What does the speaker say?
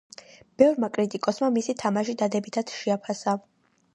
ბევრმა კრიტიკოსმა მისი თამაში დადებითად შეაფასა.